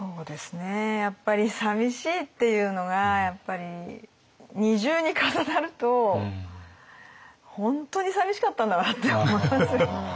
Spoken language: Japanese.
やっぱりさみしいっていうのがやっぱり二重に重なると本当にさみしかったんだなって思います。